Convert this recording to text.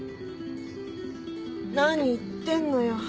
なに言ってんのよ。